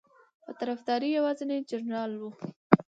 په طرفداری یوازینی جنرال ؤ